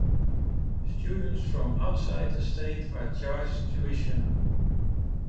Students from outside the state are charged tuition.